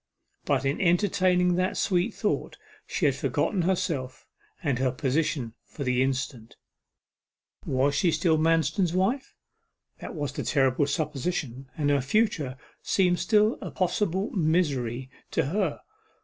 But, in entertaining that sweet thought, she had forgotten herself, and her position for the instant. Was she still Manston's wife that was the terrible supposition, and her future seemed still a possible misery to her.